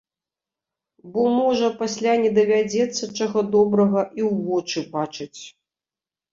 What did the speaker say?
Бо, можа, пасля не давядзецца, чаго добрага, і ў вочы бачыць.